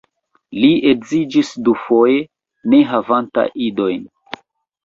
Li edziĝis dufoje ne havanta idojn.